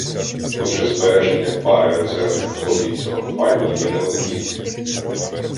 Отже, збереження пари резервних копій цього файлу є необхідною.